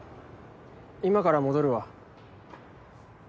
今から戻るわ。